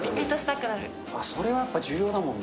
それはやっぱ重要だもんな。